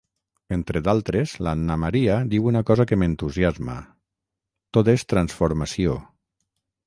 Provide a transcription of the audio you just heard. Entre d'altres, l'Anna Maria diu una cosa que m'entusiasma: «Tot és transformació.